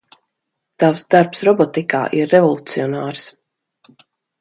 Tavs darbs robotikā ir revolucionārs.